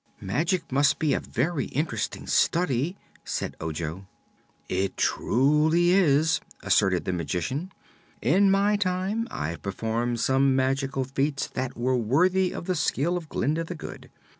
"Magic must be a very interesting study," said Ojo. "It truly is," asserted the Magician. "In my time I've performed some magical feats that were worthy of the skill of Glinda the Good.